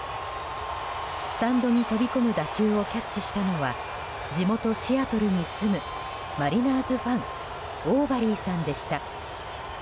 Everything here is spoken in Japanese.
スタンドに飛び込む打球をキャッチしたのは地元シアトルに住むマリナーズファンオーバリーさんでした。